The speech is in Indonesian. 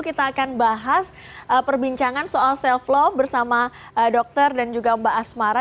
kita akan bahas perbincangan soal self love bersama dokter dan juga mbak asmara